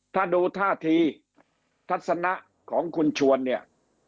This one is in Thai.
ถ้าดูท่าทีทัศนะของคุณชวนเนี่ย